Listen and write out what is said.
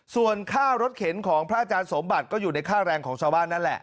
ส่วนค่ารถเข็นของพระอาจารย์สมบัติก็อยู่ในค่าแรงของชาวบ้านนั่นแหละ